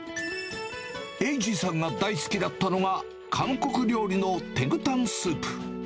栄司さんが大好きだったのが韓国料理のテグタンスープ。